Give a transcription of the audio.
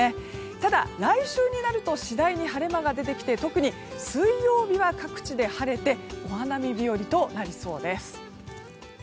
ただ、来週になると次第に晴れ間が出てきて特に水曜日は各地で晴れてお花見日和となりそうです。